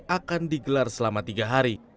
akan digelar selama tiga hari